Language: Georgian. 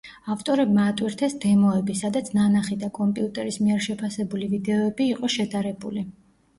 ავტორებმა ატვირთეს დემოები, სადაც ნანახი და კომპიუტერის მიერ შეფასებული ვიდეოები იყო შედარებული.